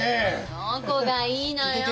どこがいいのよ！